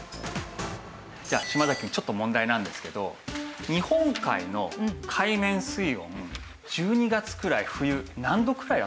じゃあ島崎くんちょっと問題なんですけど日本海の海面水温１２月くらい冬何度くらいだと思います？